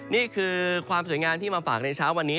นี่คือความสวยงามที่มาฝากในเช้าวันนี้